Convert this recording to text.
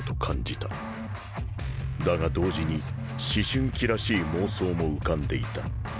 ただが同時に思春期らしい妄想も浮かんでいた